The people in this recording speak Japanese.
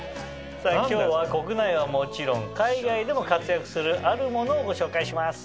さぁ今日は国内はもちろん海外でも活躍するあるものをご紹介します。